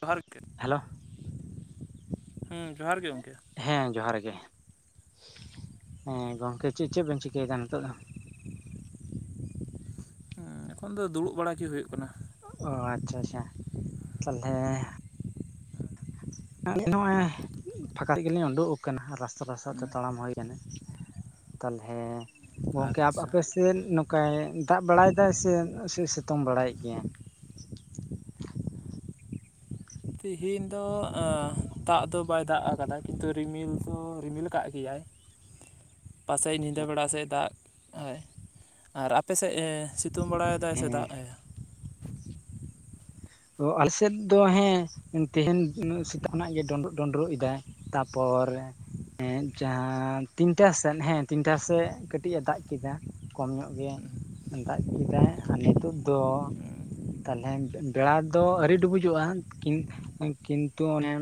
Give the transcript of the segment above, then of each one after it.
ᱡᱚᱦᱚᱨ ᱜᱮ ᱦᱮᱞᱳ ᱦᱮᱸ ᱡᱚᱦᱟᱨ ᱜᱮ ᱜᱚᱝᱠᱮ ᱦᱮᱸ ᱡᱚᱦᱟᱨ ᱜᱮ ᱦᱮᱸ ᱜᱚᱝᱠᱮ ᱪᱮᱫ ᱪᱮᱫ ᱵᱮᱱ ᱪᱤᱠᱟᱹᱭᱮᱫᱟ ᱱᱤᱛᱚᱜ ᱫᱚ? ᱮᱸ ᱮᱠᱷᱚᱱ ᱫᱚ ᱫᱩᱲᱩᱵ ᱵᱟᱲᱟ ᱜᱮ ᱦᱩᱭᱩᱜ ᱠᱟᱱᱟ᱾ ᱚᱸ ᱟᱪᱪᱷᱟ ᱟᱪᱪᱷᱟ ᱛᱟᱦᱚᱞᱮ ᱱᱚᱜᱼᱚᱭ ᱯᱷᱟᱸᱠᱟ ᱨᱮ ᱜᱮᱞᱤᱧ ᱩᱰᱩᱠ ᱟᱠᱟᱱᱟ ᱨᱟᱥᱛᱟ ᱨᱟᱥᱛᱟ ᱦᱮᱸ ᱛᱮ ᱛᱟᱲᱟᱢ ᱦᱩᱭ ᱟᱠᱟᱱᱟ ᱾ ᱛᱟᱞᱦᱮ ᱜᱚᱝᱠᱮ ᱟᱯ ᱟᱪᱪᱷᱟ ᱟᱯᱮ ᱥᱮᱫ ᱱᱚᱝᱠᱟᱭ ᱫᱟᱜ ᱵᱟᱲᱟᱭ ᱫᱟᱭ ᱥᱮ ᱥᱤᱛᱩᱝ ᱵᱟᱲᱟᱭᱮᱫ ᱜᱮᱭᱟᱭ? ᱛᱤᱦᱤᱧ ᱫᱚ ᱫᱟᱜ ᱫᱚ ᱵᱟᱭ ᱫᱟᱜ ᱟᱠᱟᱫᱟ ᱠᱤᱱᱛᱩ ᱨᱤᱢᱤᱞ ᱫᱚ ᱨᱤᱢᱤᱞ ᱠᱟᱜ ᱜᱮᱭᱟᱭ ᱾ ᱯᱟᱥᱮᱡ ᱧᱤᱫᱟᱹ ᱵᱮᱲᱟ ᱥᱮᱫ ᱫᱟᱜᱼᱟᱭ ᱟᱨ ᱟᱯᱮ ᱥᱮᱫ ᱥᱤᱛᱩᱝ ᱵᱮᱲᱟ ᱥᱮ ᱦᱮᱸ ᱫᱟᱜ ᱫᱟᱭ ᱚᱸ ᱟᱞᱮ ᱥᱮᱫ ᱫᱚ ᱦᱮᱸ ᱛᱮᱦᱮᱧ ᱥᱮᱛᱟᱜ ᱠᱷᱚᱱᱟᱜ ᱜᱮ ᱰᱚᱸᱰᱨᱚᱜ ᱰᱩᱸᱰᱨᱚᱜ ᱮᱫᱟᱭ ᱾ ᱛᱟᱯᱚᱨ ᱦᱮᱸ ᱡᱟᱦᱟᱸ ᱛᱤᱱᱴᱟ ᱥᱮᱱ ᱦᱮᱸ ᱛᱤᱱᱴᱟ ᱥᱮᱡ ᱠᱟᱴᱤᱡ ᱮ ᱫᱟᱜ ᱠᱮᱫᱟ ᱠᱚᱢ ᱧᱚᱜ ᱜᱮ ᱫᱟᱜ ᱠᱮᱫᱟᱭ ᱟᱨ ᱱᱤᱛᱚᱜ ᱫᱚ ᱛᱟᱞᱦᱮ ᱵᱮᱲᱟ ᱫᱚ ᱟᱹᱣᱨᱤ ᱰᱩᱵᱩᱡᱚᱜᱼᱟ ᱠᱤᱱ ᱠᱤᱱᱛᱩ ᱚᱱᱮ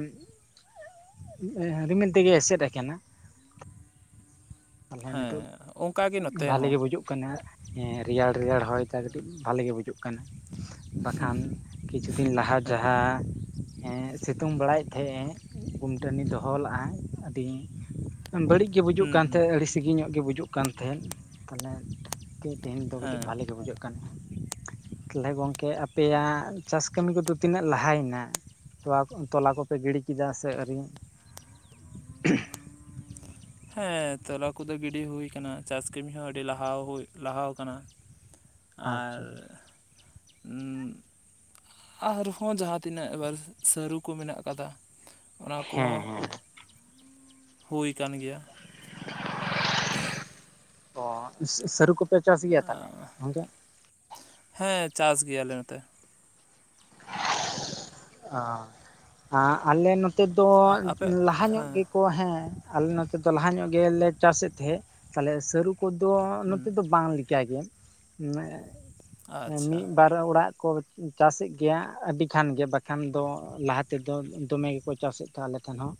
ᱨᱤᱢᱤᱞ ᱛᱮᱜᱮ ᱮᱥᱮᱫ ᱟᱠᱟᱱᱟ ᱛᱟᱦᱚᱞᱮ ᱱᱤᱛᱚᱜ ᱦᱮᱸ ᱚᱱᱠᱟᱜᱮ ᱱᱚᱛᱮ ᱵᱷᱟᱞᱤ ᱦᱚᱸ ᱜᱮ ᱵᱩᱡᱩᱜ ᱠᱟᱱᱟ ᱦᱮᱸ ᱨᱮᱭᱟᱲ ᱨᱮᱭᱟᱲ ᱦᱚᱭ ᱠᱟᱹᱴᱤᱡ ᱵᱷᱟᱞᱮ ᱜᱮ ᱵᱩᱡᱩᱜ ᱠᱟᱱᱟ᱾ ᱵᱟᱠᱷᱟᱱ ᱠᱤᱪᱷᱩ ᱫᱤᱱ ᱞᱟᱦᱟ ᱦᱮᱸ ᱡᱟᱦᱟᱸ ᱦᱮᱸ ᱥᱤᱛᱩᱝ ᱵᱟᱲᱟᱭᱮᱫ ᱛᱟᱦᱮᱸᱜ ᱮ ᱜᱩᱢᱴᱟᱹᱱᱤ ᱫᱚᱦᱚ ᱞᱮᱫᱼᱟ ᱟᱹᱰᱤ ᱵᱟᱹᱲᱤᱡ ᱜᱮ ᱵᱩᱡᱩᱜ ᱦᱩᱸ ᱠᱟᱱ ᱦᱩᱸ ᱛᱟᱦᱮᱸᱫ ᱟᱹᱰᱤ ᱥᱤᱜᱤᱧ ᱧᱚᱜ ᱜᱮ ᱵᱩᱡᱩᱜ ᱠᱟᱱ ᱛᱟᱦᱮᱸᱫ ᱛᱟᱦᱞᱮ ᱛᱮᱦᱤᱧ ᱫᱚ ᱦᱮᱸ ᱠᱟᱹᱴᱤᱡ ᱵᱷᱟᱮ ᱜᱮ ᱵᱩᱡᱷᱟᱹᱜ ᱠᱟᱱᱟ ᱾ ᱛᱟᱦᱞᱮ ᱜᱚᱝᱠᱮ ᱟᱯᱮᱭᱟᱜ ᱪᱟᱥ ᱠᱟᱹᱢᱤ ᱠᱚᱫᱚ ᱛᱤᱱᱟᱹᱜ ᱞᱟᱦᱟᱭᱮᱱᱟ? ᱛᱚᱣᱟ ᱛᱚᱞᱟ ᱠᱚᱯᱮ ᱜᱤᱰᱤ ᱠᱮᱫᱟ ᱥᱮ ᱟᱹᱨᱤᱭᱟ? ᱦᱮᱸ ᱛᱚᱞᱟ ᱠᱚᱫᱚ ᱜᱤᱰᱤ ᱦᱚᱭ ᱟᱠᱟᱱᱟ ᱪᱟᱥ ᱠᱟᱹᱢᱤ ᱦᱚᱸ ᱟᱹᱰᱤ ᱞᱟᱦᱟ ᱦᱩᱭ ᱞᱟᱦᱟᱣ ᱟᱠᱟᱱᱟ ᱾ [inaudible] ᱟᱨ ᱟᱨᱦᱚᱸ ᱡᱟᱦᱟᱸ ᱛᱤᱱᱟᱹᱜ ᱵᱟᱨ ᱥᱟᱹᱨᱩ ᱠᱚ ᱢᱮᱱᱟᱜ ᱠᱟᱫᱟ ᱚᱱᱟ ᱦᱮᱸ ᱠᱚᱦᱚᱸ ᱦᱮᱸ ᱦᱩᱭ ᱟᱠᱟᱱ ᱜᱮᱭᱟ ᱾ ᱚ ᱥᱟᱹᱨᱩ ᱠᱚ ᱦᱮᱸ ᱪᱟᱥ ᱜᱮᱭᱟᱞᱮ ᱱᱚᱛᱮ ᱟ ᱟᱞᱮ ᱱᱚᱛᱮ ᱫᱚ ᱟᱯᱮ ᱞᱟᱦᱟ ᱧᱚᱜ ᱦᱮᱸ ᱜᱮ ᱠᱚ ᱦᱮᱸ ᱟᱞᱮ ᱱᱚᱛᱮ ᱫᱚ ᱞᱟᱦᱟ ᱧᱚᱜ ᱜᱮᱞᱮ ᱪᱟᱥᱮᱫ ᱛᱟᱦᱮᱸᱫ ᱛᱟᱦᱚᱞᱮ ᱥᱟᱹᱨᱩ ᱠᱚ ᱫᱚ ᱦᱮᱸ ᱱᱚᱛᱮ ᱫᱚ ᱵᱟᱝ ᱞᱮᱠᱟ ᱜᱮ ᱢᱮ ᱟᱪᱪᱷᱟ ᱢᱤᱫᱵᱟᱨ ᱚᱲᱟᱜ ᱠᱚ ᱪᱟᱥᱮᱫ ᱜᱮᱭᱟ ᱟᱹᱰᱤ ᱠᱷᱟᱱ ᱜᱮ ᱵᱟᱠᱷᱟᱱ ᱫᱚ ᱞᱟᱦᱟ ᱛᱮᱫᱚ ᱫᱚᱢᱮ ᱜᱮᱠᱚ ᱪᱟᱥᱮᱫ ᱛᱟᱦᱮᱸ ᱟᱞᱮ ᱴᱷᱮᱱ ᱦᱚᱸ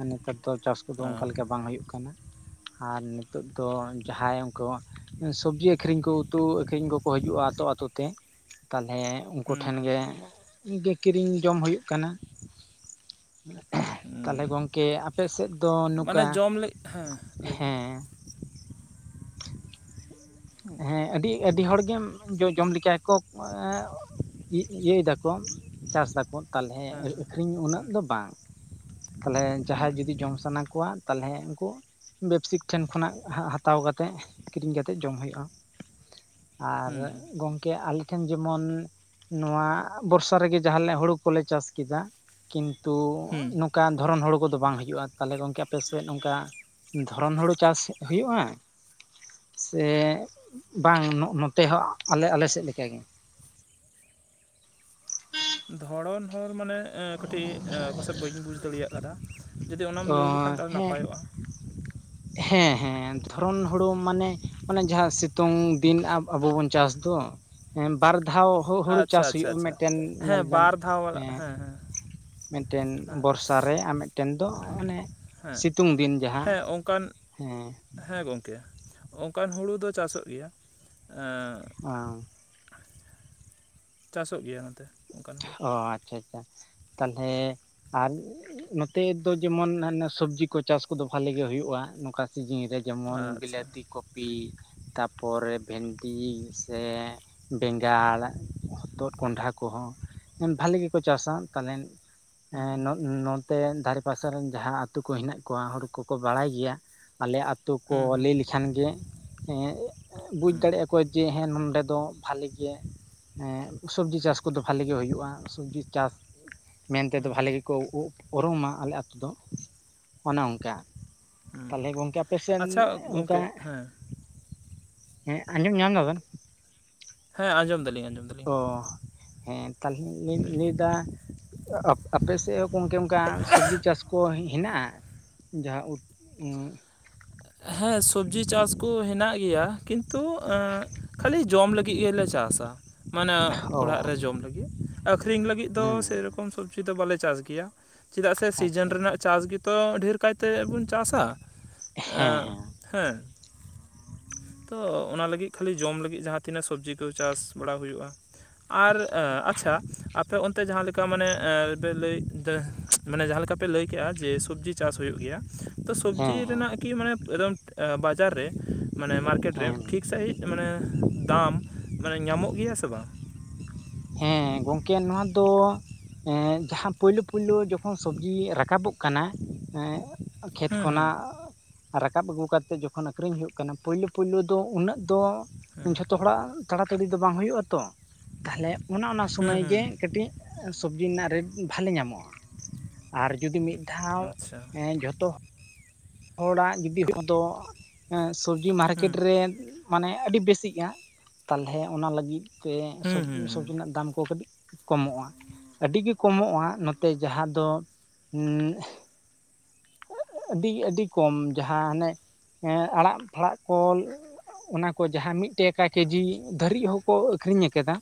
ᱟᱨ ᱱᱮᱛᱟᱨ ᱫᱚ ᱪᱟᱥ ᱠᱚᱫᱚ ᱚᱱᱠᱟ ᱦᱮᱸ ᱞᱮᱠᱟ ᱵᱟᱝ ᱦᱩᱭᱩᱜ ᱠᱟᱱᱟ ᱾ ᱟᱨ ᱱᱤᱛᱚᱜ ᱫᱚ ᱡᱟᱦᱟᱸᱭ ᱩᱱᱠᱩ ᱥᱚᱵᱡᱤ ᱟᱹᱠᱷᱨᱤᱧ ᱠᱚ ᱩᱛᱩ ᱟᱹᱠᱷᱨᱤᱧ ᱠᱚᱠᱚ ᱦᱤᱡᱩᱜᱼᱟ ᱟᱹᱛᱳ ᱟᱹᱛᱳ ᱛᱮ ᱛᱟᱞᱦᱮ ᱦᱮᱸ ᱴᱷᱮᱱ ᱜᱮ ᱠᱤᱨᱤᱧ ᱡᱚᱢ ᱦᱩᱭᱩᱜ ᱠᱟᱱᱟ ᱛᱟᱦᱚᱞᱮ ᱦᱮᱸ ᱜᱚᱝᱠᱮ ᱟᱯᱮ ᱥᱮᱫ ᱫᱚ ᱢᱟᱱᱮ ᱱᱚᱝᱠᱟ ᱡᱚᱢ ᱞᱟᱹᱜᱤᱫ ᱦᱮᱸ ᱞᱟᱹᱭ ᱵᱤᱱ ᱦᱮᱸ ᱦᱮᱸ ᱟᱹᱰᱤ ᱟᱹᱰᱤ ᱦᱚᱲᱜᱮᱢ ᱡᱚ ᱡᱚᱢ ᱞᱮᱠᱟᱠᱚ ᱤ ᱤᱭᱟᱹᱭ ᱫᱟᱠᱚ ᱪᱟᱥ ᱮᱫᱟᱠᱚ ᱛᱟᱞᱦᱮ ᱦᱮᱸ ᱟᱠᱷᱨᱤᱧ ᱩᱱᱟᱹᱜ ᱦᱮᱸ ᱫᱚ ᱵᱟᱝ᱾ ᱛᱟᱞᱦᱮ ᱦᱮᱸ ᱡᱟᱦᱟᱸᱭ ᱡᱩᱫᱤ ᱡᱚᱢ ᱥᱟᱱᱟ ᱠᱚᱣᱟ ᱛᱟᱞᱦᱮ ᱩᱱᱠᱩ ᱵᱮᱯᱥᱤᱠ ᱴᱷᱮᱱ ᱠᱷᱚᱱᱟᱜ ᱦᱟ ᱦᱟᱛᱟᱣ ᱠᱟᱛᱮᱫ ᱠᱤᱨᱤᱧ ᱠᱟᱛᱮᱜ ᱡᱚᱢ ᱦᱩᱭᱩᱜᱼᱟ᱾ ᱟᱨ ᱦᱮᱸ ᱜᱚᱝᱠᱮ ᱟᱞᱮ ᱴᱷᱮᱱ ᱡᱮᱢᱚᱱ ᱱᱚᱣᱟ ᱵᱚᱨᱥᱟ ᱨᱮᱜᱮ ᱡᱟᱦᱟᱸ ᱦᱩᱲᱩ ᱠᱚᱞᱮ ᱪᱟᱥ ᱠᱮᱫᱟ᱾ ᱠᱤᱱᱛᱩ, ᱦᱩᱸ ᱚᱱᱠᱟ ᱫᱷᱚᱨᱚᱱ ᱦᱚᱲ ᱠᱚᱫᱚ ᱵᱟᱝ ᱦᱩᱭᱩᱜᱤᱡᱩᱜᱼᱟ ᱛᱟᱞᱦᱮ ᱜᱚᱝᱠᱮ ᱟᱯᱮᱥᱮᱫ ᱚᱱᱠᱟ ᱫᱷᱚᱨᱚᱱ ᱦᱩᱲᱩ ᱪᱟᱥ ᱦᱩᱭᱩᱜᱼᱟ? ᱥᱮ ᱵᱟᱝ ᱱᱚᱜ ᱱᱚᱛᱮ ᱦᱚᱸ ᱟᱞᱮ ᱟᱞᱮ ᱥᱮᱫ ᱞᱮᱠᱟ ᱜᱮ? ᱫᱷᱚᱨᱚᱱ ᱦᱚᱲ ᱢᱟᱱᱮ ᱠᱟᱹᱴᱤᱡ ᱯᱟᱥᱮᱡ ᱵᱟᱹᱧ ᱵᱩᱡᱽ ᱫᱟᱲᱮᱭᱟᱜ ᱟᱠᱟᱫᱟ ᱡᱩᱫᱤ ᱚᱱᱟᱢ ᱚ ᱞᱟᱹᱭ ᱞᱮᱠᱷᱟᱱ ᱛᱟᱦᱚᱞᱮ ᱦᱮᱸ ᱱᱟᱯᱟᱭᱚᱜᱼᱟ᱾ ᱦᱮᱸ ᱦᱮᱸ ᱫᱷᱚᱨᱚᱱ ᱦᱩᱲᱩ ᱢᱟᱱᱮ ᱟᱱᱮ ᱡᱟᱦᱟᱸ ᱥᱤᱛᱩᱝ ᱫᱤᱱ ᱟᱵᱚ ᱵᱚᱱ ᱪᱟᱥ ᱫᱚ ᱦᱮᱸ ᱵᱟᱨ ᱫᱷᱟᱣ ᱦᱚ ᱦᱩᱲᱩ ᱟᱪᱪᱷᱟ ᱪᱟᱥ ᱟᱪᱪᱷᱟ ᱦᱩᱭᱩᱜᱳᱼᱟ ᱟᱪᱪᱷᱟ ᱢᱤᱫᱴᱮᱱ ᱦᱮᱸ ᱧᱮᱞ ᱵᱮᱱ ᱵᱟᱨ ᱫᱷᱟᱣ ᱵᱟᱞᱟ ᱦᱮᱸ ᱦᱮᱸ ᱢᱤᱫᱴᱮᱱ ᱦᱮᱸ ᱵᱚᱨᱥᱟ ᱨᱮ ᱟᱨ ᱢᱤᱫᱴᱮᱱ ᱫᱚ ᱚᱱᱮ ᱦᱮᱸ ᱥᱤᱛᱩᱝ ᱫᱤᱱ ᱡᱟᱦᱟᱸ, ᱦᱮᱸ ᱚᱱᱠᱟᱱ ᱦᱮᱸ ᱦᱮᱸ ᱜᱚᱝᱠᱮ ᱚᱱᱠᱟᱱ ᱦᱩᱲᱩ ᱫᱚ ᱪᱟᱥᱚᱜ ᱜᱮᱭᱟ᱾ ᱮᱸ ᱚᱸ ᱪᱟᱥᱚᱜ ᱜᱮᱭᱟ ᱱᱚᱛᱮ᱾ ᱚᱱᱠᱟᱱ ᱦᱩᱲᱩ ᱚ ᱟᱪᱪᱷᱟ ᱟᱪᱪᱷᱟ ᱛᱟᱞᱦᱮ ᱟᱨ ᱱᱚᱛᱮ ᱫᱚ ᱡᱮᱢᱚᱱ ᱦᱟᱱᱮ ᱥᱚᱵᱽᱡᱤ ᱠᱚ ᱪᱟᱥ ᱠᱚᱫᱚ ᱵᱷᱟᱞᱮ ᱜᱮ ᱦᱩᱭᱩᱜᱼᱟ ᱱᱚᱝᱠᱟ ᱥᱤᱡᱤᱱ ᱨᱮ ᱡᱮᱢᱚᱱ ᱟᱪᱪᱷᱟ ᱵᱤᱞᱟᱹᱛᱤ, ᱠᱚᱯᱤ, ᱛᱟᱯᱚᱨᱮ ᱵᱷᱮᱱᱰᱤ ᱥᱮ ᱵᱮᱸᱜᱟᱲ ᱦᱚᱛᱚᱫ ᱠᱚᱸᱰᱷᱟ ᱠᱚᱦᱚᱸ᱾ ᱵᱷᱟᱞᱤ ᱜᱮᱠᱚ ᱪᱟᱥᱟ ᱛᱟᱞᱦᱮ ᱮ ᱦᱩᱸ ᱱᱚ ᱱᱚᱛᱮ ᱫᱷᱟᱨᱮ ᱯᱟᱥᱮ ᱨᱮᱱ ᱡᱟᱦᱟᱸ ᱟᱛᱳ ᱠᱚ ᱦᱮᱱᱟᱜ ᱠᱚᱣᱟ ᱦᱳᱲ ᱠᱚᱠᱚ ᱵᱟᱲᱟᱭ ᱜᱮᱭᱟ ᱟᱞᱮ ᱟ ᱛᱩ ᱠᱚ ᱦᱩᱸ ᱦᱩᱸ ᱞᱟᱹᱭ ᱞᱮ ᱠᱷᱟᱱ ᱜᱮ ᱮ ᱵᱩᱡᱽ ᱦᱩᱸ ᱫᱟᱲᱮᱭᱟᱜᱼᱟ ᱠᱚ ᱡᱮ ᱦᱮ ᱱᱚᱰᱮ ᱫᱚ ᱵᱷᱟᱞᱤ ᱜᱮ ᱦᱮᱸ ᱥᱚᱵᱡᱤ ᱪᱟᱥ ᱠᱚᱫᱚ ᱵᱷᱟᱞᱮᱜᱮ ᱦᱩᱭᱩᱜᱼᱟ ᱥᱚᱵᱡᱤ ᱪᱟᱥ ᱢᱮᱱᱛᱮᱫᱚ ᱦᱩᱸ ᱵᱷᱟᱞᱮ ᱠᱚ ᱩᱨᱩᱚᱝᱢᱟ ᱟᱞᱮ ᱟᱛᱳ ᱫᱚ ᱚᱱᱮ ᱚᱱᱠᱟ᱾ ᱦᱩᱸ ᱛᱟᱦᱞᱮ ᱜᱚᱝᱠᱮ ᱟᱯᱮᱥᱮᱫ ᱟᱪᱪᱷᱟ ᱚᱱᱠᱟ, ᱜᱚᱝᱠᱮ ᱦᱮᱸ ᱦᱮᱸ ᱟᱸᱡᱚᱢ ᱧᱟᱢ ᱟᱵᱮᱱ? ᱦᱮᱸ ᱟᱡᱚᱢ ᱫᱟᱞᱤᱧ ᱟᱞᱤᱧ ᱫᱚ ᱚ ᱦᱮᱸ ᱛᱟᱦᱞᱮ ᱞᱟᱹᱭ ᱞᱮᱫᱟ ᱟᱯᱮᱥᱮᱫ ᱦᱚᱸ ᱜᱚᱝᱠᱮ ᱚᱱᱠᱟ ᱥᱚᱵᱽᱡᱤ ᱪᱟᱥ ᱠᱚ ᱦᱮᱱᱟᱜ-ᱟ? ᱡᱟᱦᱟᱸ ᱩᱛ ᱩ ᱦᱮᱸ ᱥᱚᱵᱽᱡᱤ ᱪᱟᱥ ᱠᱚ ᱦᱮᱱᱟᱜ ᱜᱮᱭᱟ ᱠᱤᱱᱛᱩ ᱠᱷᱟᱹᱞᱤ ᱡᱚᱢ ᱞᱟᱹᱜᱤᱫ ᱜᱮᱞᱮ ᱪᱟᱥᱟ᱾ ᱢᱟᱱᱮ ᱚᱲᱟᱜ ᱚ ᱨᱮ ᱡᱚᱢ ᱞᱟᱹᱜᱤᱫ ᱟᱠᱷᱨᱤᱧ ᱞᱟᱹᱜᱤᱫ ᱫᱚ ᱦᱮᱸ ᱥᱮᱨᱚᱠᱚᱢ ᱥᱚᱵ ᱡᱤ ᱫᱚ ᱵᱟᱞᱮ ᱪᱟᱥ ᱜᱮᱭᱟ ᱪᱮᱫᱟᱜ ᱥᱮ ᱥᱤᱡᱤᱱ ᱟᱪᱪᱷᱟ ᱨᱮᱱᱟᱜ ᱪᱟᱥ ᱜᱮᱛᱚ ᱰᱷᱮᱨ ᱠᱟᱭᱛᱮ ᱵᱚᱱ ᱪᱟᱥᱟ᱾ ᱦᱮᱸ ᱮᱻ ᱦᱮᱸ ᱦᱮᱸ᱾ ᱛᱚ ᱚᱱᱟ ᱞᱟᱹᱜᱤᱫ ᱠᱷᱟᱹᱞᱤ ᱡᱚᱢ ᱞᱟᱹᱜᱤᱫ ᱡᱟᱦᱟᱸᱛᱤᱱᱟᱹᱜ ᱥᱚᱵᱽᱡᱤ ᱠᱚ ᱪᱟᱥ ᱵᱟᱲᱟ ᱦᱩᱭᱩᱜ-ᱟ᱾ ᱟᱨ ᱟᱪᱪᱷᱟ ᱟᱯᱮ ᱚᱱ ᱛᱮ ᱡᱟᱦᱟᱸ ᱞᱮᱠᱟ ᱢᱟᱱᱮ ᱞᱟᱹᱭ ᱢᱟᱱᱮ ᱡᱟᱦᱟᱸ ᱞᱮᱠᱟ ᱯᱮ ᱞᱟᱹᱭ ᱠᱮᱜ-ᱟ ᱡᱮ ᱥᱚᱵᱽᱡᱤ ᱪᱟᱥ ᱦᱩᱭᱩᱜ ᱜᱮᱭᱟ, ᱛᱚ ᱦᱮᱸ ᱥᱚᱵᱽᱡᱤ ᱦᱮᱸ ᱨᱮᱱᱟᱜ ᱠᱤ ᱢᱟᱱᱮ ᱮᱠᱫᱚᱢ ᱵᱟᱡᱟᱨ ᱨᱮ ᱢᱟᱱᱮ ᱢᱟᱨᱠᱮᱴ ᱨᱮ ᱦᱮᱸ ᱴᱷᱤᱠ ᱥᱟᱺᱦᱤᱡ ᱢᱟᱱᱮ ᱫᱟᱢ ᱢᱟᱱᱮ ᱧᱟᱢᱚᱜ ᱜᱮᱭᱟ ᱥᱮ ᱵᱟᱝ? ᱦᱮᱸ ᱜᱚᱝᱠᱮ ᱱᱚᱣᱟ ᱫᱚ ᱮ ᱡᱟᱦᱟᱸ ᱯᱳᱭᱞᱩ ᱯᱳᱭᱞᱩ ᱡᱚᱠᱷᱚᱱ ᱥᱚᱵᱡᱤ ᱨᱟᱠᱟᱵᱚᱜ ᱠᱟᱱᱟ ᱠᱷᱮᱛ ᱦᱩᱸ ᱦᱩᱸ ᱠᱷᱚᱱᱟᱜ ᱨᱟᱠᱟᱵ ᱟᱹᱜᱩ ᱠᱟᱛᱮᱫ ᱡᱚᱠᱷᱚᱱ ᱟᱠᱷᱨᱤᱧ ᱦᱩᱭᱩᱜ ᱠᱟᱱᱟ ᱯᱳᱭᱞᱩ ᱯᱳᱭᱞᱩ ᱫᱚ ᱩᱱᱟᱹᱜ ᱫᱚ ᱦᱩᱸ ᱡᱷᱚᱛᱚ ᱦᱚᱲᱟᱜ ᱛᱟᱲᱟᱛᱟᱲᱤ ᱫᱚ ᱵᱟᱝ ᱦᱩᱭᱩᱜ ᱟᱛᱚ ᱾ ᱛᱟᱦᱞᱮ ᱚᱱᱮ ᱚᱱᱟ ᱦᱩᱸ ᱥᱚᱢᱚᱭ ᱜᱮ ᱦᱩᱸ ᱠᱟᱹᱴᱤᱡ ᱥᱚᱵᱡᱤ ᱨᱮᱱᱟᱜ ᱨᱮᱴ ᱵᱷᱟᱞᱮ ᱧᱟᱢᱚᱜ-ᱟ ᱟᱨ ᱡᱩᱫᱤ ᱢᱤᱫ ᱫᱷᱟᱣ ᱟᱪᱪᱷᱟ ᱡᱚᱛᱚ ᱦᱚᱲᱟᱜ ᱡᱩᱫᱤ ᱦᱚᱲ ᱫᱚ ᱥᱚᱵᱽᱡᱤ ᱦᱩᱸ ᱢᱟᱨᱠᱮᱴ ᱨᱮ ᱢᱟᱱᱮ ᱟᱹᱰᱤ ᱵᱮᱥᱤᱜᱮ-ᱟ ᱛᱟᱞᱦᱮ ᱚᱱᱟ ᱞᱟᱹᱜᱤᱫ ᱛᱮ ᱦᱩᱸ ᱥᱚᱵᱽᱡᱤ ᱦᱩᱸ ᱦᱩᱸ ᱥᱚᱵᱽᱡᱤ ᱨᱮᱱᱟᱜ ᱫᱟᱢ ᱠᱚ ᱠᱟᱹᱴᱤᱡ ᱠᱚᱢᱚᱜ-ᱟ ᱟᱹᱰᱤ ᱜᱮ ᱠᱚᱢᱚᱜ-ᱟ ᱱᱚᱛᱮ ᱡᱟᱦᱟᱸ ᱫᱚ ᱟᱹᱰᱤ ᱟᱹᱰᱤ ᱠᱚᱢ ᱡᱟᱦᱟᱸ ᱦᱟᱱᱮ ᱟᱲᱟᱜ ᱯᱷᱟᱲᱟᱜ ᱠᱚ‌ ᱚᱱᱟ ᱠᱚ ᱡᱟᱦᱟᱸ ᱢᱤᱫᱴᱟᱠᱟ ᱠᱮᱡᱤ ᱫᱷᱟᱹᱨᱤᱡ ᱦᱚᱸᱠᱚ ᱟᱠᱷᱨᱤᱧ ᱠᱟᱫᱟ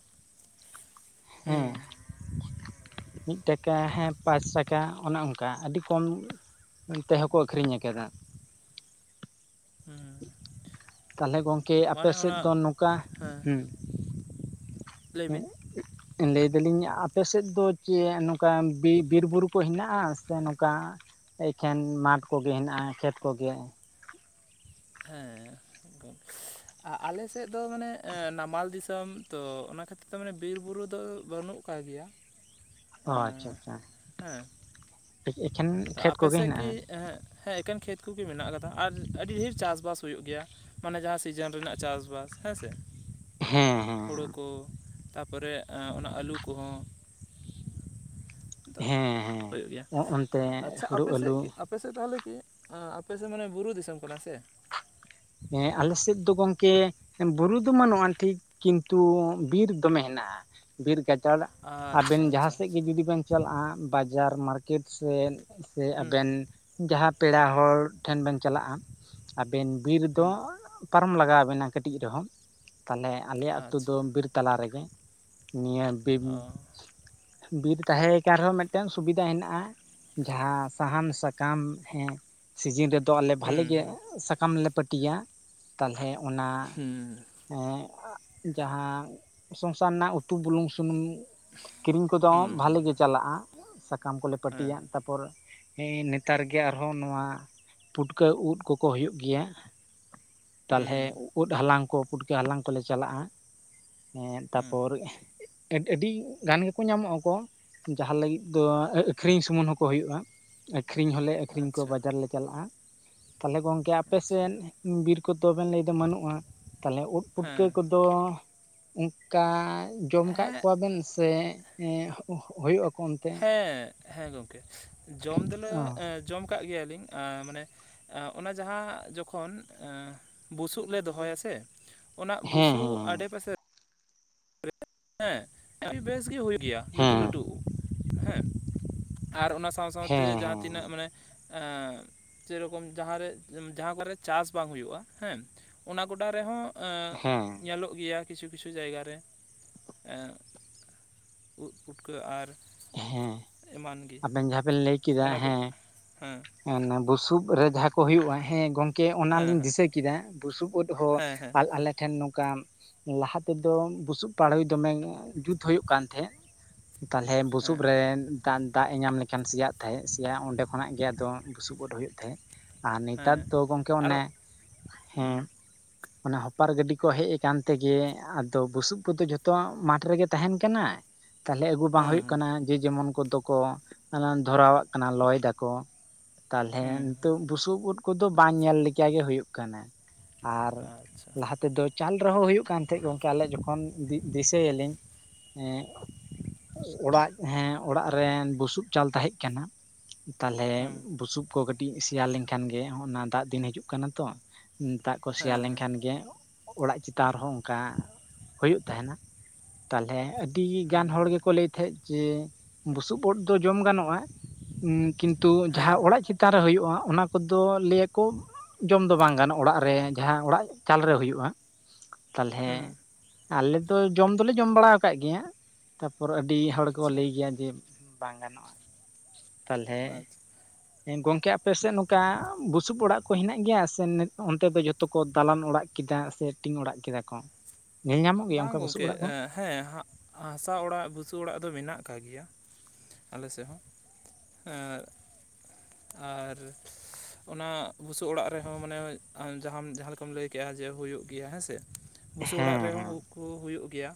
᱾ ᱦᱩᱸ ᱦᱮᱸ ᱢᱤᱫ ᱴᱟᱠᱟ ᱦᱮᱸ ᱯᱟᱸᱪ ᱴᱟᱠᱟ ᱚᱱᱮ ᱚᱱᱠᱟ ᱟᱹᱰᱤ ᱠᱚᱢ ᱮᱱ ᱛᱮ ᱦᱚᱠᱚ ᱟᱠᱷᱨᱤᱧ ᱟᱠᱟᱫᱟ ᱾ ᱛᱟᱦᱚᱞᱮ ᱜᱚᱝᱠᱮ ᱟᱯᱮ ᱢᱟᱱᱮ ᱥᱮᱫ ᱚᱱᱟ ᱫᱚ ᱱᱚᱝᱠᱟ? ᱦᱮᱸ ᱦᱩᱸ ᱞᱟᱹᱭ ᱵᱤᱱ ᱦᱮ ᱞᱟᱹᱭ ᱫᱟᱞᱤᱧ ᱟᱯᱮ ᱥᱮᱫ ᱫᱚ ᱪᱮ ᱱᱚᱝᱠᱟ ᱵᱤᱨ ᱵᱩᱨᱩ ᱠᱚ ᱦᱮᱱᱟᱜ-ᱟ ᱥᱮ ᱚᱱᱠᱟ ᱮᱠᱷᱮᱱ ᱢᱟᱴᱷ ᱠᱚᱜᱮ ᱦᱮᱱᱟᱜ-ᱟ ᱠᱷᱮᱛ ᱠᱚᱜᱮ ᱾ ᱦᱮᱸ ᱟᱞᱮ ᱥᱮᱫ ᱫᱚ ᱢᱟᱱᱮ ᱱᱟᱢᱟᱞ ᱫᱤᱥᱚᱢ ᱛᱚ ᱚᱱᱟ ᱠᱷᱟᱹᱛᱤᱨ ᱛᱮ ᱢᱟᱱᱮ ᱵᱤᱨ ᱵᱩᱨᱩ ᱫᱚ ᱵᱟᱹᱱᱩᱜ [unintelligible] ᱜᱮᱭᱟ ᱚ ᱟᱪᱪᱷᱟ ᱦᱮᱸ ᱟᱪᱪᱷᱟ ᱦᱮᱸ ᱮᱠᱷᱮᱱ ᱛᱚ ᱠᱷᱮᱛ ᱟᱯᱮ ᱠᱚᱜᱮ ᱥᱮᱫ ᱠᱤ ᱦᱮᱱᱟᱜᱼᱟ ᱦᱮᱸ ᱮᱠᱮᱱ ᱠᱷᱮᱛ ᱠᱚᱜᱮ ᱢᱮᱱᱟᱜ ᱟᱠᱟᱫᱟ ᱟᱨ ᱟᱹᱰᱤ ᱰᱷᱮᱨ ᱪᱟ-ᱥᱵᱟᱥ ᱦᱩᱭᱩᱜ ᱜᱮᱭᱟ ᱾ ᱢᱟᱱᱮ ᱡᱟᱦᱟᱸ ᱥᱤᱡᱮᱱ ᱨᱮᱱᱟᱜ ᱪᱟᱥ-ᱵᱟᱥ ᱦᱮᱸᱥᱮ ᱦᱮᱸ ᱾ ᱦᱳᱲᱳ ᱦᱮᱸ ᱠᱚ ᱛᱟᱯᱚᱨᱮ ᱚᱱᱟ ᱟᱹᱞᱩ ᱠᱚᱦᱚᱸ ᱦᱮᱸ ᱦᱮᱸ ᱦᱩᱭᱩᱜ ᱜᱮᱭᱟ ᱚᱱᱛᱮ ᱟᱪᱪᱷᱟ ᱦᱩᱲᱩ ᱟᱯᱮ ᱥᱮᱫ ᱟᱹᱞᱩ ᱠᱤ ᱟᱯᱮᱥᱮᱫ ᱛᱟᱦᱚᱞᱮ ᱠᱤ ᱟᱯᱮᱥᱮᱫ ᱢᱟᱱᱮ ᱵᱩᱨᱩ ᱫᱤᱥᱚᱢ ᱠᱟᱱᱟ ᱥᱮ? ᱦᱮᱸ ᱟᱞᱮ ᱥᱮᱫ ᱫᱚ ᱜᱚᱢᱠᱮ ᱵᱩᱨᱩ ᱫᱚ ᱵᱟᱹᱱᱩᱜᱼᱟ ᱴᱷᱤᱠ ᱠᱤᱱᱛᱩ ᱵᱤᱨ ᱫᱚᱢᱮ ᱦᱮᱱᱟᱜ-ᱟ ᱵᱤᱨ ᱜᱟᱡᱟᱲ ᱟᱵᱮᱱ ᱟᱪᱪᱷᱟ ᱡᱟᱦᱟᱸ ᱟᱪᱪᱷᱟ ᱥᱮᱫ ᱜᱮ ᱟᱪᱪᱷᱟ ᱡᱩᱫᱤ ᱵᱮᱱ ᱪᱟᱞᱟᱜ-ᱟ ᱵᱟᱡᱟᱨ ᱢᱟᱨᱠᱮᱴ ᱥᱮ ᱦᱩᱸ ᱟᱵᱮᱱ ᱦᱩᱸ ᱡᱟᱦᱟᱸ ᱯᱮᱲᱟ ᱦᱚᱲ ᱴᱷᱮᱱ ᱵᱮᱱ ᱪᱟᱞᱟᱜ-ᱟ ᱟᱵᱮᱱ ᱵᱤᱨ ᱫᱚ ᱦᱩᱸ ᱯᱟᱨᱚᱢ ᱞᱟᱜᱟᱣᱵᱤᱱᱟ ᱠᱟᱹᱴᱤᱡ ᱨᱮᱦᱚᱸ ᱛᱟᱦᱞᱮ ᱟᱞᱮᱭᱟᱜ ᱟᱛᱳ ᱫᱚ ᱟᱪᱪᱷᱟ ᱵᱤᱨ ᱛᱟᱞᱟ ᱨᱮᱜᱮ ᱾ ᱱᱤᱭᱟᱹ ᱵᱤᱨ, ᱚ ᱵᱤᱨ ᱛᱟᱦᱮᱸ ᱠᱟᱱ ᱨᱮᱦᱚᱸ ᱢᱤᱫᱴᱟᱝ ᱥᱩᱵᱤᱫᱷᱟ ᱦᱮᱱᱟᱜ-ᱟ ᱾ ᱡᱟᱦᱟᱸ ᱥᱟᱦᱟᱱ ᱥᱟᱠᱟᱢ ᱦᱮᱸ ᱥᱤᱡᱤᱱ ᱨᱮᱫᱚ ᱟᱞᱮ ᱵᱷᱟᱞᱮ ᱦᱩᱸ ᱜᱮ ᱦᱩᱸ ᱥᱟᱠᱟᱢ ᱞᱮ ᱯᱟᱹᱴᱤᱭᱟ ᱛᱟᱦᱞᱮ ᱚᱱᱟ ᱦᱩᱸ ᱮᱸ ᱡᱟᱦᱟᱸ ᱥᱚᱝᱥᱟᱨ ᱨᱮᱱᱟᱜ ᱩᱛᱩ ᱵᱩᱞᱩᱝ ᱥᱩᱱᱩᱢ ᱠᱤᱨᱤᱧ ᱠᱚᱫᱚ ᱦᱩᱸ ᱦᱩᱸ ᱵᱷᱟᱞᱮ ᱜᱮ ᱪᱟᱞᱟᱜᱼᱟ ᱥᱟᱠᱟᱢ ᱠᱚᱞᱮ ᱯᱟᱹᱴᱤᱭᱟ ᱦᱮᱸ ᱛᱟ ᱯᱚᱨ ᱦᱮᱸ ᱱᱮᱛᱟᱨ ᱜᱮ ᱟᱨᱦᱚᱸ ᱱᱚᱣᱟ ᱯᱩᱴᱠᱟᱹ ᱩᱫ ᱠᱚᱠᱚ ᱦᱩᱭᱩᱜ ᱜᱮᱭᱟ ᱾ ᱛᱟᱞᱦᱮ ᱦᱩᱸ ᱩᱫ ᱦᱟᱞᱟᱝ ᱠᱚ ᱯᱩᱴᱠᱟᱹ ᱦᱟᱞᱟᱝ ᱠᱚᱞᱮ ᱪᱟᱞᱟᱜᱼᱟ ᱾ ᱮᱸ ᱦᱩᱸ ᱛᱟᱯᱚᱨ ᱟᱹᱰᱤ ᱟᱹᱰᱤ ᱜᱟᱱ ᱜᱮᱠᱚ ᱧᱟᱢᱚᱜᱼᱟ ᱠᱚ ᱡᱟᱦᱟᱸ ᱞᱟᱹᱜᱤᱫ ᱫᱚ ᱟᱹᱠᱷᱨᱤᱧ ᱥᱩᱢᱩᱝ ᱦᱚᱸᱠᱚ ᱦᱩᱭᱩᱜᱼᱟ ᱾ ᱟᱹᱠᱷᱨᱤᱧ ᱦᱚᱞᱮ ᱟᱹᱠᱷᱨᱤᱧ ᱠᱚᱣᱟ ᱟᱪᱪᱷᱟ ᱵᱟᱡᱟᱨᱞᱮ ᱪᱟᱞᱟᱜᱼᱟ ᱛᱟᱞᱦᱮ ᱜᱚᱝᱠᱮ ᱟᱪᱪᱷᱟ ᱟᱯᱮᱥᱮᱫ ᱵᱤᱨ ᱠᱚ ᱛᱚᱵᱮᱱ ᱞᱟᱹᱭᱫᱟ ᱵᱟᱹᱱᱩᱜᱼᱟ ᱛᱟᱞᱦᱮ ᱩᱫ ᱯᱩᱴᱠᱟᱹ ᱦᱮᱸ ᱠᱚᱫ ᱛᱚ ᱚᱝᱠᱟ ᱡᱚᱢ ᱟᱠᱟᱫ ᱦᱮᱸ ᱠᱚᱣᱟᱵᱮᱱ ᱥᱮ ᱦᱮᱸ ᱦᱚᱜ ᱦᱩᱭᱩᱜᱼᱟᱠ ᱦᱮᱸᱻ ᱦᱮᱸ ᱜᱚᱝᱠᱮ ᱡᱚᱢ ᱫᱚᱞᱮ ᱚ ᱡᱚᱢ ᱟᱠᱟᱜ ᱜᱮᱭᱟᱞᱤᱧ ᱢᱟᱱᱮ ᱚᱱᱟ ᱡᱟᱦᱟᱸ ᱡᱚᱠᱷᱚᱱ ᱵᱩᱥᱩᱵ ᱞᱮ ᱫᱚᱦᱚᱭᱟ ᱥᱮ ᱚᱱᱟ ᱦᱮᱸ ᱵᱩᱥᱩᱵ ᱟᱰᱮ ᱯᱟᱥᱮ ᱨᱮ ᱦᱮᱸ ᱟᱹᱰᱤ ᱵᱮᱥ ᱜᱮ ᱦᱩᱭᱩᱜ ᱜᱮᱭᱟ ᱞᱟᱹᱴᱩ ᱦᱮᱸ ᱦᱮᱸ ᱞᱟᱹᱴᱩ ᱾ ᱦᱮᱸ ᱟᱨ ᱚᱱᱟ ᱥᱟᱶ ᱥᱟᱶᱛᱮ ᱦᱮᱸ ᱡᱟᱦᱟᱸ ᱦᱮᱸ ᱛᱤᱱᱟᱹᱜ ᱢᱟᱱᱮ ᱪᱮᱨᱚᱠᱚᱢ ᱡᱟᱦᱟᱸ ᱨᱮ ᱡᱟᱦᱟᱸ ᱠᱚᱨᱮ ᱪᱟᱥ ᱵᱟᱝ ᱦᱩᱭᱩᱜᱼᱟ ᱦᱮᱸ ᱚᱱᱟ ᱜᱚᱰᱟ ᱨᱮᱦᱚᱸ ᱮᱸ ᱦᱮᱸ ᱦᱮᱸ ᱧᱮᱞᱚᱜ ᱜᱮᱭᱟ ᱠᱤᱪᱷᱩ ᱠᱤᱪᱷᱩ ᱡᱟᱭᱜᱟ ᱨᱮ ᱮᱸ ᱩᱫ ᱯᱩᱴᱠᱟᱹ ᱟᱨ ᱦᱮᱸ ᱮᱢᱟᱱ ᱜᱮ ᱟᱵᱮᱱ ᱡᱟᱦᱟᱸ ᱵᱮᱱ ᱞᱟᱹᱭ ᱠᱮᱫᱟ ᱚᱱᱟ ᱠᱚ ᱦᱮᱸ ᱦᱮᱸ ᱚᱱᱟ ᱵᱩᱥᱩᱵ ᱨᱮ ᱡᱟᱦᱟᱸ ᱠᱚ ᱦᱩᱭᱩᱜᱼᱟ ᱦᱮᱸ ᱜᱚᱝᱠᱮ ᱠᱮ ᱚᱱᱟᱞᱤᱧ ᱦᱮᱸ ᱫᱤᱥᱟᱹ ᱠᱤᱫᱟ ᱵᱩᱥᱩᱵ ᱩᱫ ᱦᱚᱸ ᱦᱮᱸ ᱦᱮᱸ ᱟᱞ ᱟᱞᱮ ᱴᱷᱮᱱ ᱱᱚᱝᱠᱟ ᱞᱟᱦᱟ ᱛᱮᱫᱚ ᱵᱩᱥᱩᱵ ᱯᱟᱲᱚᱭ ᱫᱚᱢᱮ ᱡᱩᱛ ᱦᱩᱭᱩᱜ ᱠᱟᱱ ᱛᱟᱦᱮᱸᱜ ᱛᱟᱞᱦᱮ ᱵᱩᱥᱩᱵ ᱦᱮᱸ ᱨᱮᱱ ᱛᱟᱱ ᱫᱟᱜ ᱮ ᱧᱟᱢ ᱞᱮᱠᱷᱟᱱ ᱥᱮᱭᱟᱜ ᱛᱟᱦᱮᱸᱜ ᱥᱮᱭᱟ ᱚᱸᱰᱮ ᱠᱷᱚᱱᱟᱜ ᱜᱮ ᱟᱫᱚ ᱵᱩᱥᱩᱵ ᱩᱫ ᱦᱩᱭᱩᱜ ᱛᱟᱦᱮᱸᱫ᱾ ᱟᱨ ᱱᱮᱛᱟᱨ ᱦᱮᱸ ᱦᱮᱸ ᱫᱚ ᱜᱚᱝᱠᱮ ᱟᱨ ᱚᱱᱮ ᱦᱮᱸ ᱦᱩᱸ ᱚᱱᱟ ᱦᱚᱯᱟᱨ ᱜᱟᱹᱰᱤ ᱠᱚ ᱦᱮᱡ ᱟᱠᱟᱱ ᱛᱮᱜᱮ ᱟᱫᱚ ᱵᱩᱥᱩᱵ ᱠᱚᱫᱚ ᱡᱷᱚᱛᱚᱣᱟᱜ ᱢᱟᱴᱷ ᱨᱮᱜᱮ ᱛᱟᱦᱮᱱ ᱠᱟᱱᱟ, ᱛᱟᱦᱞᱮ ᱟᱹᱜᱩ ᱵᱟᱝ ᱦᱩᱭᱩᱜ ᱦᱩᱸ ᱠᱟᱱᱟ ᱡᱮ ᱡᱮᱢᱚᱱ ᱠᱚᱫᱚ ᱠᱚ ᱫᱷᱚᱨᱟᱣᱟᱜ ᱠᱟᱱᱟ ᱞᱚᱭ ᱫᱟᱠᱚ᱾ ᱦᱩᱸ ᱛᱟᱞᱦᱮ ᱦᱩᱸ ᱱᱤᱛᱚᱜ ᱵᱩᱥᱩᱵ ᱩᱫ ᱠᱚᱫᱚ ᱵᱟᱝ ᱧᱮᱞ ᱞᱮᱠᱟ ᱜᱮ ᱦᱩᱭᱩᱜ ᱠᱟᱱᱟ᱾ ᱟᱨ, ᱟᱪᱪᱷᱟ ᱞᱟᱦᱟ ᱛᱮᱫᱚ ᱪᱟᱞ ᱨᱮᱦᱚᱸ ᱦᱩᱭᱩᱜ ᱠᱟᱱ ᱛᱟᱦᱮᱸᱫ ᱜᱚᱝᱠᱮ ᱟᱞᱮ ᱡᱚᱠᱷᱚᱱ ᱫᱤ ᱫᱤᱥᱟᱹᱭᱟᱞᱤᱧ ᱮᱸ ᱚᱲᱟᱜ ᱦᱮᱸ ᱚᱲᱟᱜ ᱨᱮᱱ ᱵᱩᱥᱩᱵ ᱪᱟᱞ ᱛᱟᱦᱮᱸᱡ ᱠᱟᱱᱟ ᱛᱟᱞᱦᱮ ᱦᱩᱸ ᱵᱩᱥᱩᱵ ᱠᱚ ᱠᱟᱹᱴᱤᱡ ᱥᱮᱭᱟ ᱞᱮᱱᱠᱷᱟᱱ ᱜᱮ ᱚᱱᱟ ᱫᱟᱜ ᱫᱤᱱ ᱦᱤᱡᱩᱜ ᱠᱟᱱᱟ ᱛᱚ ᱫᱟᱜ ᱠᱚ ᱦᱮᱸ ᱥᱮᱭᱟ ᱦᱮᱸ ᱞᱮᱱᱠᱷᱟᱱ ᱜᱮ ᱚᱲᱟᱜ ᱪᱮᱛᱟᱱ ᱨᱮᱦᱚᱸ ᱚᱝᱠᱟ ᱦᱩᱭᱩᱜ ᱛᱟᱦᱮᱱᱟ ᱾ ᱛᱟᱞᱦᱮ ᱟᱹᱰᱤ ᱦᱩᱸ ᱜᱟᱱ ᱦᱚᱲ ᱦᱩᱸ ᱜᱮ ᱠᱚ ᱞᱟᱹᱭ ᱛᱟᱦᱮᱸᱜ ᱡᱮ ᱵᱩᱥᱩᱵ ᱩᱫ ᱫᱚ ᱡᱚᱢ ᱜᱟᱱᱚᱜᱼᱟ, ᱩᱸ ᱠᱤᱱᱛᱩ ᱦᱮᱸ ᱡᱟᱦᱟᱸ ᱚᱲᱟᱜ ᱪᱮ ᱛᱟᱱ ᱨᱮ ᱦᱩᱭᱩᱜᱼᱟ ᱚᱱᱟ ᱠᱚᱫᱚ ᱞᱟᱹᱭᱟᱠᱚ ᱡᱚᱢ ᱫᱚ ᱵᱟᱝ ᱜᱟᱱᱚᱜᱼᱟ ᱚᱲᱟᱜ ᱨᱮ ᱡᱟᱦᱟᱸ ᱚᱲᱟᱜ ᱪᱟᱞᱨᱮ ᱦᱩᱭᱩᱜᱼᱟ ᱛᱟᱞᱦᱮ ᱦᱩᱸ ᱟᱞᱮ ᱫᱚ ᱡᱚᱢ ᱫᱚᱞᱮ ᱡᱚᱢ ᱵᱟᱲᱟ ᱟᱠᱟᱜ ᱜᱮᱭᱟ ᱛᱟᱯᱚᱨ ᱟᱹᱰᱤ ᱦᱩᱸ ᱦᱚᱲᱠᱚ ᱟᱪᱪᱷᱟ ᱞᱟᱹᱭ ᱜᱮᱭᱟ ᱡᱮ ᱵᱟᱝ ᱜᱟᱱᱚᱜᱼᱟ ᱛᱟᱞᱦᱮ ᱟᱪᱪᱷᱟ ᱦᱮᱸ ᱜᱚᱝᱠᱮ ᱟᱯᱮᱥᱮᱫ ᱱᱚᱝᱠᱟ ᱵᱩᱥᱩᱵ ᱚᱲᱟᱜ ᱠᱚ ᱦᱮᱱᱟᱜ ᱜᱮᱭᱟ ᱥᱮ ᱱᱮ ᱚᱱᱛᱮ ᱫᱚ ᱡᱚᱛᱚ ᱠᱚ ᱫᱟᱞᱟᱱ ᱚᱲᱟᱜ ᱠᱮᱫᱟ ᱥᱮ ᱴᱤᱝ ᱚᱲᱟᱜ ᱠᱮᱫᱟ ᱠᱚ? ᱧᱮᱞ ᱧᱟᱢᱚᱜ ᱜᱮᱭᱟ ᱵᱟᱝ ᱚᱱᱠᱟ ᱵᱩᱥᱩᱵ ᱜᱚᱝᱠᱮ ᱚᱲᱟᱜ ᱠᱚ? ᱦᱮᱸ ᱦᱟᱸᱜ ᱦᱟᱥᱟ ᱚᱲᱟᱜ ᱵᱩᱥᱩᱵ ᱚᱲᱟᱜ ᱫᱚ ᱢᱮᱱᱟᱜ ᱟᱠᱟᱜ ᱜᱮᱭᱟ᱾ ᱟᱞᱮ ᱥᱮᱫ ᱦᱚᱸ ᱮᱸ ᱟᱨ [inaudible] ᱚᱱᱟ ᱵᱩᱥᱩᱵ ᱚᱲᱟᱜ ᱨᱮᱦᱚᱸ ᱢᱟᱱᱮ ᱟᱢ ᱡᱟᱦᱟᱸᱢ ᱡᱟᱦᱟᱸ ᱞᱮᱠᱟᱢ ᱞᱟᱹᱭ ᱠᱮᱜᱼᱟ ᱡᱮ ᱦᱩᱭᱩᱜ ᱜᱮᱭᱟ ᱦᱮᱸ ᱥᱮ ᱵᱩᱥᱩᱵ ᱦᱮᱸ ᱚᱲᱟᱜ ᱨᱮᱦᱚᱸ ᱦᱮᱸ ᱩᱫ ᱠᱚ ᱦᱩᱭᱩᱜ ᱜᱮᱭᱟ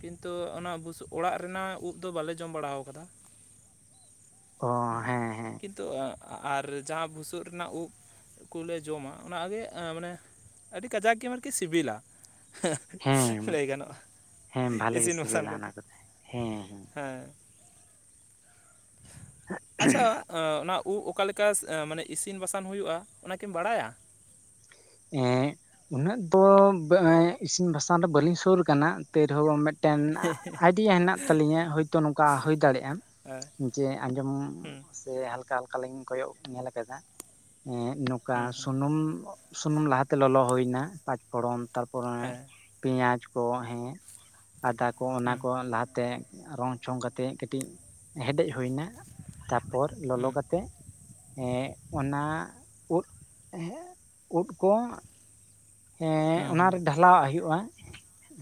ᱠᱤᱱᱛᱩ, ᱚᱱᱟ ᱵᱩᱥᱩᱵ ᱚᱲᱟᱜ ᱨᱮᱱᱟᱜ ᱩᱫ ᱫᱚ ᱵᱟᱞᱮ ᱡᱚᱢ ᱵᱟᱲᱟᱣ ᱠᱟᱫᱟ ᱚᱻ, ᱦᱮᱸ ᱦᱮᱸ ᱠᱤᱱᱛᱩ ᱮᱸ ᱟᱨ ᱡᱟᱦᱟᱸ ᱵᱷᱩᱥᱩᱵ ᱨᱮᱱᱟᱜ ᱩᱫ ᱠᱚᱞᱮ ᱡᱚᱢᱟ ᱚᱱᱟᱜᱮ ᱢᱟᱱᱮ ᱟᱹᱰᱤ ᱠᱟᱡᱟᱠ ᱜᱮ ᱟᱨᱠᱤ ᱥᱤᱵᱤᱞᱟ ᱦᱟᱸᱜ, ᱦᱮᱸ ᱞᱟᱹᱭ ᱜᱟᱱᱚᱜᱼᱟ᱾ ᱦᱮᱸ ᱵᱷᱟᱞᱮ ᱜᱮ ᱤᱥᱤᱱ ᱵᱟᱥᱟᱝ ᱥᱤᱵᱤᱞᱟ ᱚᱱᱟ ᱠᱟᱛᱮᱫ ᱠᱚᱫᱚ ᱦᱮᱸ ᱦᱮᱸ ᱟᱪᱪᱷᱟᱼᱼ ᱟᱸ, ᱚᱱᱟ ᱩᱵ ᱚᱠᱟᱞᱮᱠᱟ ᱢᱟᱱᱮ ᱤᱥᱤᱱ ᱵᱟᱥᱟᱝ ᱦᱩᱭᱩᱜᱼᱟ ᱚᱱᱟᱠᱤᱢ ᱵᱟᱲᱟᱭᱟ? ᱮᱸ ᱩᱱᱟᱹᱜ ᱫᱚ ᱤᱥᱤᱱ ᱵᱟᱥᱟᱝ ᱫᱚ ᱵᱟᱹᱞᱤᱧ ᱥᱩᱨ ᱟᱠᱟᱱᱟ ᱛᱮ ᱨᱮᱦᱚᱸ ᱢᱤᱫᱴᱮᱱ ᱟᱭᱰᱤᱭᱟ ᱦᱮᱱᱟᱜ ᱛᱟᱞᱤᱧᱟ ᱦᱳᱭᱛᱳ ᱱᱚᱝᱠᱟ ᱦᱩᱭ ᱫᱟᱲᱮᱭᱟᱜᱼᱟ ᱦᱮᱸ ᱡᱮ ᱟᱸᱡᱚᱢ ᱦᱮᱸ ᱥᱮ ᱦᱟᱞᱠᱟ ᱦᱟᱞᱠᱟ ᱞᱤᱧ ᱠᱚᱭᱚᱜ ᱧᱮᱞ ᱟᱠᱟᱫᱟ ᱮᱸᱜ ᱱᱚᱝᱠᱟ ᱦᱮᱸ ᱥᱩᱱᱩᱢ ᱥᱩᱱᱩᱢ ᱞᱟᱦᱟᱛᱮ ᱞᱚᱞᱚ ᱦᱩᱭᱱᱟ ᱯᱟᱸᱪ ᱯᱷᱚᱲᱚᱱ ᱛᱟᱨᱯᱚᱨᱮ ᱦᱮᱸ ᱯᱮᱸᱭᱟᱡᱽ ᱠᱚ ᱦᱮᱸ ᱟᱫᱟ ᱠᱚ ᱚᱱᱟ ᱠᱚ ᱞᱟᱦᱟᱛᱮ ᱨᱚᱝ ᱪᱷᱚᱝ ᱠᱟᱛᱮᱫ ᱠᱟᱹᱴᱤᱡ ᱦᱮᱰᱮᱡ ᱦᱩᱭ ᱮᱱᱟ ᱛᱟᱯᱚᱨ ᱞᱚᱞᱚ ᱦᱮᱸ ᱠᱟᱛᱮᱜ ᱮᱸ ᱚᱱᱟ ᱩᱫ ᱩᱫ ᱠᱚ ᱮᱸ ᱦᱮᱸ ᱚᱱᱟᱨᱮ [unintelligible] ᱰᱷᱟᱞᱟᱣᱟᱜ ᱦᱩᱭᱩᱜᱼᱟ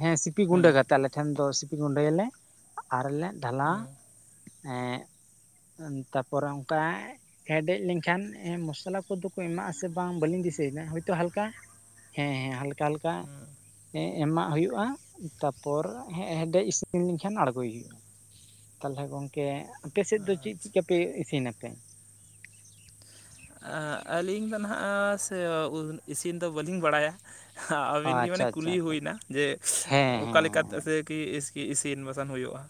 ᱦᱮᱸ ᱥᱤᱯᱤ ᱜᱩᱸᱰᱟᱹ ᱠᱟᱛᱮ ᱟᱞᱮ ᱴᱷᱮᱱ ᱫᱚ ᱥᱤᱯᱤ ᱜᱩᱸᱰᱟᱹᱭᱟᱞᱮ ᱟᱨᱞᱮ ᱰᱷᱟᱞᱟ ᱦᱮᱸ ᱮᱸ ᱛᱟᱯᱚᱨᱮ ᱚᱱᱠᱟ ᱦᱮᱰᱮᱡ ᱞᱮᱱᱠᱷᱟᱱ ᱢᱚᱥᱞᱟ ᱠᱚᱫᱚ ᱠᱚ ᱮᱢᱟᱜ ᱟᱥᱮ ᱵᱟᱝ ᱵᱟᱹᱞᱤᱧ ᱫᱤᱥᱟᱹᱭᱮᱱᱟ ᱦᱳᱭᱛᱳ ᱦᱟᱞᱠᱟ ᱦᱮᱸ ᱦᱮᱸ ᱦᱟᱞᱠᱟ ᱦᱟᱞᱠᱟ ᱮᱸ ᱮᱢᱟᱜ ᱦᱩᱭᱩᱜᱼᱟ ᱛᱟᱯᱚᱨ ᱦᱮᱰᱮᱡ ᱤᱥᱤᱱ ᱞᱮᱱ ᱠᱷᱟᱱ ᱟᱬᱜᱚᱭ ᱦᱩᱭᱩᱜᱼᱟ᱾ ᱛᱟᱦᱞᱮ ᱜᱚᱝᱠᱮ ᱟᱯᱮ ᱥᱮᱫ ᱫᱚ ᱪᱮᱫ ᱟᱪᱪᱷᱟ ᱪᱮᱫᱠᱟᱯᱮ ᱤᱥᱤᱱᱟᱯᱮ? ᱟᱹᱞᱤᱧ ᱫᱚ ᱦᱟᱸᱜ ᱥᱮ ᱤᱥᱤᱱ ᱫᱚ ᱵᱟᱹᱞᱤᱧ ᱵᱟᱲᱟᱭᱟ ᱟᱵᱤᱱ ᱜᱮ ᱟᱪᱪᱷᱟ ᱢᱟᱱᱮ ᱟᱪᱪᱷᱟ ᱠᱩᱞᱤ ᱟᱪᱪᱷᱟ ᱦᱩᱭᱱᱟ ᱡᱮ ᱦᱮᱸ ᱦᱮᱸ ᱚᱠᱟᱠᱟ ᱦᱮᱸ ᱞᱮᱠᱟᱛᱮ ᱥᱮ ᱠᱤ ᱤᱥ ᱤᱥᱤᱱ ᱵᱟᱥᱟᱝ ᱦᱩᱭᱩᱜᱼᱟ᱾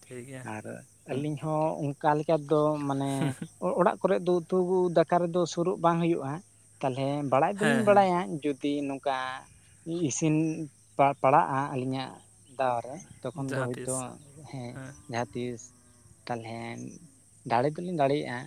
ᱴᱷᱤᱠ ᱜᱮᱭᱟ ᱟᱨ ᱦᱮᱸ ᱟᱹᱞᱤᱧ ᱦᱚᱸ ᱚᱱᱠᱟ ᱞᱮᱠᱟ ᱫᱚ ᱢᱟᱱᱮ ᱚᱲᱟᱜ ᱠᱚᱨᱮ ᱫᱚ ᱩᱛᱩ ᱫᱟᱠᱟ ᱨᱮᱫᱚ ᱥᱩᱨᱩᱜ ᱵᱟᱝ ᱦᱩᱭᱩᱜᱼᱟ ᱛᱟᱦᱚᱞᱮ ᱵᱟᱲᱟᱭ ᱦᱮᱸ ᱫᱚᱞᱤᱧ ᱦᱮᱸ ᱵᱟᱲᱟᱭᱟ ᱡᱩᱫᱤ ᱱᱚᱝᱠᱟ ᱚᱱᱠᱟ ᱤᱥᱤᱱ ᱯᱟᱲᱟᱜᱼᱟ ᱟᱹᱞᱤᱧᱟᱜ ᱫᱟᱣ ᱨᱮ ᱛᱚᱠᱷᱚᱱ ᱡᱟᱦᱟᱸ ᱫᱚᱭ ᱛᱚ ᱛᱤᱥ ᱦᱮᱸ ᱡᱟᱦᱟᱸᱛᱤᱥ ᱛᱟᱦᱚᱞᱮ ᱫᱟᱲᱮ ᱫᱚᱞᱤᱧ ᱫᱟᱲᱮᱭᱟᱜᱼᱟ